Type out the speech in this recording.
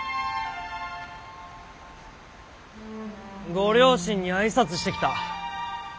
ご両親に挨拶してきた。